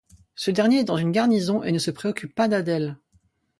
Ce dernier est dans une garnison et ne se préoccupe pas d'Adèle.